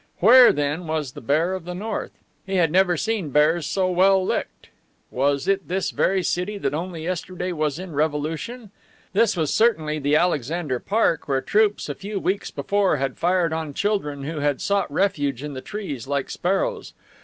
Where, then, was the Bear of the North? He never had seen bears so well licked. Was it this very city that only yesterday was in revolution? This was certainly the Alexander Park where troops a few weeks before had fired on children who had sought refuge in the trees, like sparrows.